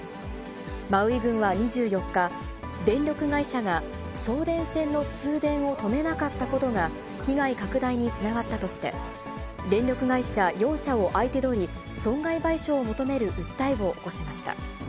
マウイ郡は２４日、電力会社が送電線の通電を止めなかったことが、被害拡大につながったとして、電力会社４社を相手取り、損害賠償を求める訴えを起こしました。